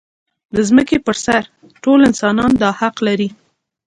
د ځمکې پر سر ټول انسانان دا حق لري.